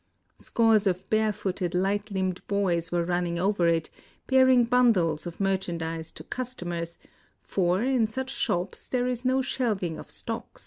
Scores of barefooted light limbed boys were running over it, bearing bundles of merchan dise to customers ;— for in such shops there is no shelving of stock.